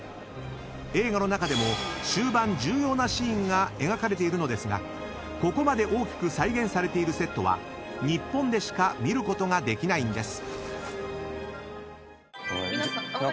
［映画の中でも終盤重要なシーンが描かれているのですがここまで大きく再現されているセットは日本でしか見ることができないんです］